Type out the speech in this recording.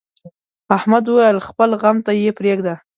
احمد وويل: خپل غم ته یې پرېږده.